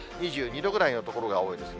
２２度ぐらいの所が多いです。